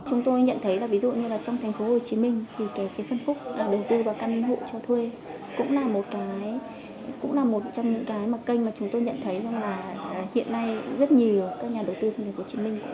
chúng tôi nhận thấy là ví dụ như là trong thành phố hồ chí minh thì cái phân khúc đầu tư và căn hộ cho thuê cũng là một trong những cái mà kênh mà chúng tôi nhận thấy rằng là hiện nay rất nhiều các nhà đầu tư thành phố hồ chí minh cũng quan tâm